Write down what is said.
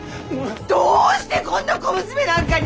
どうしてこんな小娘なんかに。